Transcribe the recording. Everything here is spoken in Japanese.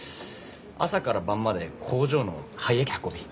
朝から晩まで工場の廃液運び。